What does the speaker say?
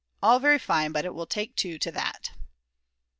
All very fine, but it will take two to that.